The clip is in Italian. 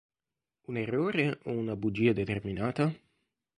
Un errore o una bugia determinata?